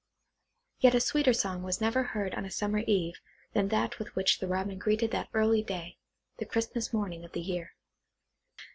Yet a sweeter song was never heard on a summer eve, than that with which the Robin greeted that early day, the Christmas morning of the year.